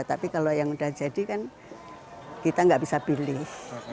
tapi kalau yang udah jadi kan kita nggak bisa pilih